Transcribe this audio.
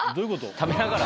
食べながら？